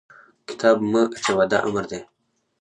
کتاب مه اچوه! دا امر دی.